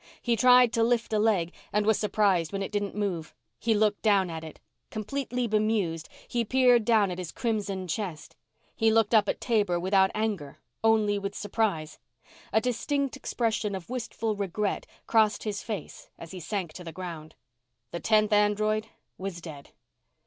He tried to lift a leg and was surprised when it didn't move. He looked down at it. Completely bemused, he peered down at his crimson chest. He looked up at Taber without anger, only with surprise. A distinct expression of wistful regret crossed his face as he sank to the ground. The tenth android was dead.